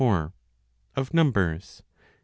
Of Numbers. vi.